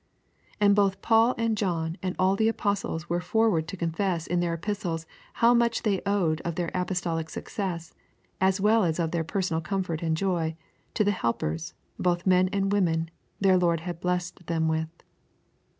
And both Paul and John and all the apostles were forward to confess in their epistles how much they owed of their apostolic success, as well as of their personal comfort and joy, to the helpers, both men and women, their Lord had blessed them with.